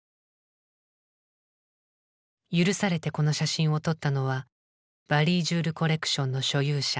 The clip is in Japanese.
許されてこの写真を撮ったのはバリー・ジュール・コレクションの所有者